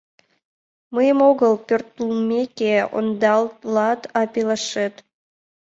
Мыйым огыл, пöртылмеке, öндалат, а пелашет.